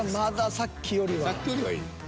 さっきよりはいい。